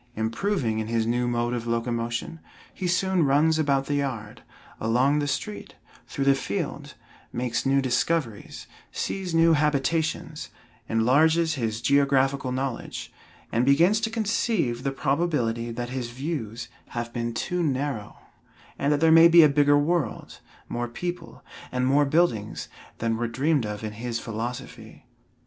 Improving in his new mode of locomotion, he soon runs about the yard, along the street, through the field, makes new discoveries, sees new habitations, enlarges his geographical knowledge, and begins to conceive the probability that his views have been too narrow, and that there may be a bigger world, more people, and more buildings than were dreamed of in his philosophy.